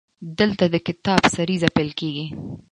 دلته د کتاب سریزه پیل کیږي.